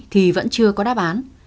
thì vẫn chưa có đáp án